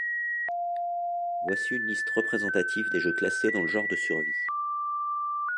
Voici une liste représentative des jeux classés dans le genre de survie.